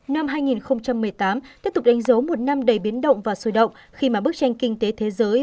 năm hai nghìn một mươi tám tiếp tục đánh dấu một năm đầy biến động và sôi động khi mà bức tranh kinh tế thế giới